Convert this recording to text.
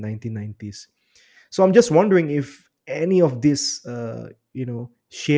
apakah ada yang membuat anda